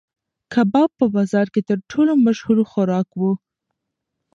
کباب په بازار کې تر ټولو مشهور خوراک و.